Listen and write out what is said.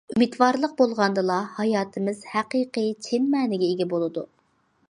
ئۈمىدۋارلىق بولغاندىلا ھاياتىمىز ھەقىقىي چىن مەنىگە ئىگە بولىدۇ.